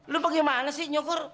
lu pergi mana sih nyokor